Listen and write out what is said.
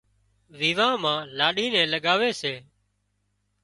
ويوان مان لاڏِي نين لڳاوي سي